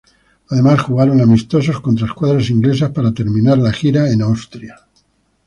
Ademas jugaron amistosos contra escuadras inglesas, para terminar la gira en Austria.